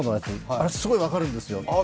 あれ、すごい分かるんですよ。